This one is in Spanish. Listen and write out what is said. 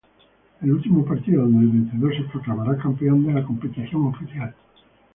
Un último partido donde el vencedor, se proclamará campeón de la competición oficial.